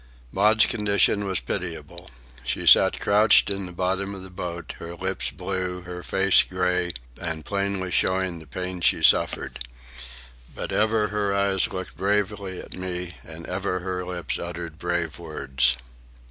Maud's condition was pitiable. She sat crouched in the bottom of the boat, her lips blue, her face grey and plainly showing the pain she suffered. But ever her eyes looked bravely at me, and ever her lips uttered brave words.